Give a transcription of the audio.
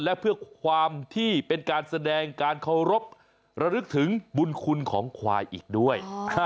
และเพื่อความที่เป็นการแสดงการเคารพระลึกถึงบุญคุณของควายอีกด้วย